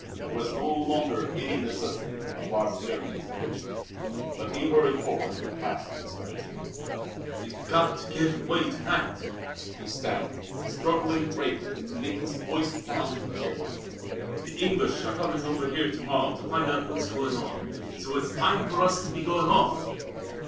There was no longer any necessity of Barbe's sharing his adventure. But he hurried forward and clasped his friend's hand. "We've got to get away to night," he stammered, struggling bravely to make his voice sound cheerful. "The English are coming over here to morrow to find out what's going on so it's time for us to be going off!